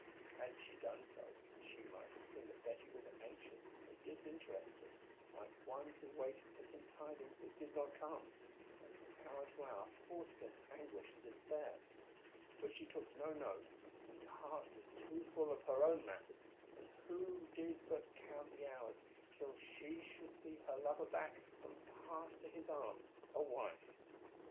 Had she done so, she might have seen that Betty was anxious and distressed, like one who waited for some tidings that did not come, and from hour to hour fought against anguish and despair But she took no note, whose heart was too full of her own matters, and who did but count the hours till she should see her lover back and pass to his arms, a wife.